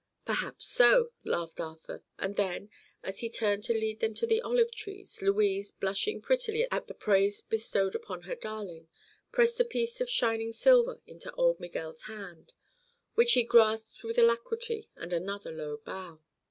"Perhaps so," laughed Arthur; and then, as he turned to lead them to the olive trees, Louise, blushing prettily at the praise bestowed upon her darling, pressed a piece of shining silver into old Miguel's hand—which he grasped with alacrity and another low bow.